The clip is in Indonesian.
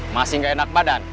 masih gak enak badan